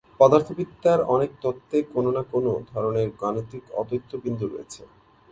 পদার্থবিদ্যার অনেক তত্ত্বে কোনও না কোনও ধরনের গাণিতিক অদ্বৈত বিন্দু রয়েছে।